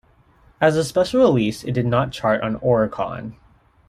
As a special release, it did not chart on Oricon.